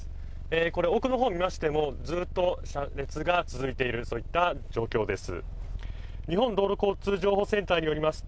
これ、奥の方見ましてもずっと車列が続いている状況です。